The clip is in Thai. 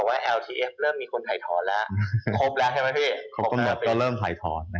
ถ่ายเรื่องมั้ยพี่